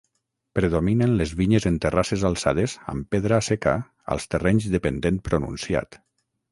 Predominen les vinyes en terrasses alçades amb pedra seca als terrenys de pendent pronunciat.